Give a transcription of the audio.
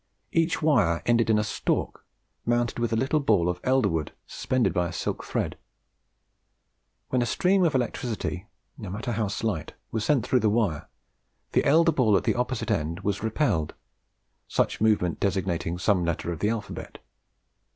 Each wire ended in a stalk mounted with a little ball of elder wood suspended by a silk thread. When a stream of electricity, no matter how slight., was sent through the wire, the elder ball at the opposite end was repelled, such movement designating some letter of the alphabet.